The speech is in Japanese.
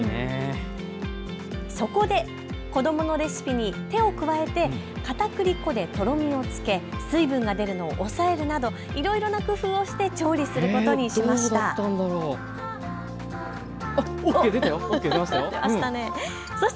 そこで子どものレシピに手を加えてかたくり粉でとろみをつけ水分が出るのを抑えるなどいろいろな工夫をして調理することにしました。